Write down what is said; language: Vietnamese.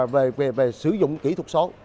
về sử dụng kỹ thuật số